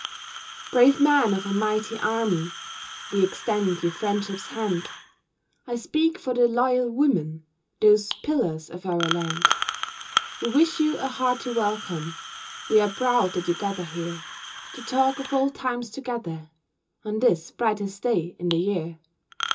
Brave men of a mighty army, We extend you friendship's hand I speak for the "Loyal Women," Those pillars of our land. We wish you a hearty welcome, We are proud that you gather here To talk of old times together On this brightest day in the year.